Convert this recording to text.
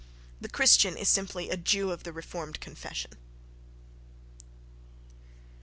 The Christian is simply a Jew of the "reformed" confession.